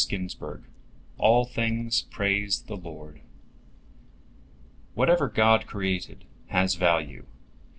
" ALL THINGS PRAISE THE LORD "Whatever God created has value."